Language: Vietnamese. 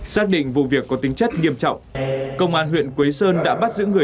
xác định vụ việc có tính chất nghiêm trọng công an huyện quế sơn đã bắt giữ người